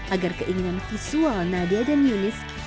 agar keinginan visual nadia dan yunis dihubungi dengan kepentingan dari produk